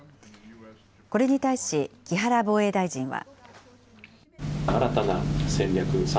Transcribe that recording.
これに対し、木原防衛大臣は。